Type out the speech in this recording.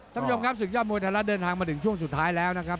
ท่านผู้ชมครับศึกยอดมวยไทยรัฐเดินทางมาถึงช่วงสุดท้ายแล้วนะครับ